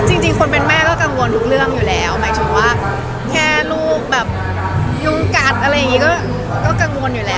จริงคนเป็นแม่ก็กังวลทุกเรื่องอยู่แล้วหมายถึงว่าแค่ลูกแบบยุ่งกัดอะไรอย่างนี้ก็กังวลอยู่แล้ว